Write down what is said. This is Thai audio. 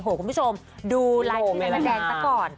โหคุณผู้ชมดูลายที่นักแสดงตะกร